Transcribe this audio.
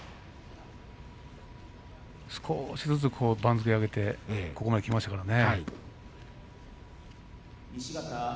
少しずつ番付を上げてここまできましたからね。